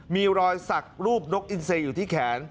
มีรอยสักรูปนกอินเซอยู่ที่แขน